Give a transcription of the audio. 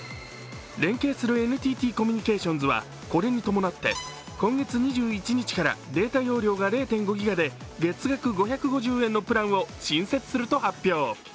連携するＮＴＴコミュニケーションズはこれに伴って、今月２１日からデータ容量が０．５ギガで月額５５０円のプランを新設すると発表。